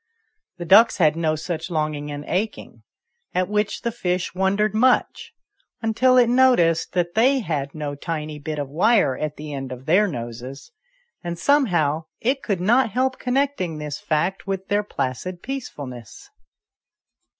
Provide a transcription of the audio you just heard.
The ducks had no such longing and aching, at which the fish wondered much, until it noticed that they had no tiny bit of wire at the end of their noses, and somehow it could not help connecting this fact with their placid peacefulness.